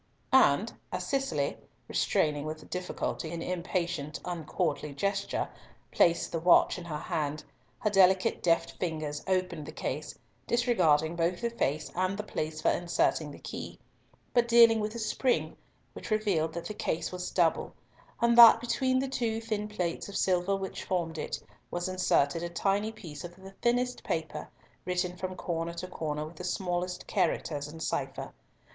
And as Cicely, restraining with difficulty an impatient, uncourtly gesture, placed the watch in her hand, her delicate deft fingers opened the case, disregarding both the face and the place for inserting the key; but dealing with a spring, which revealed that the case was double, and that between the two thin plates of silver which formed it, was inserted a tiny piece of the thinnest paper, written from corner to corner with the smallest characters in cipher.